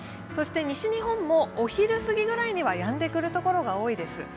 そして西日本もお昼すぎぐらいにはやんでくる所が多いです。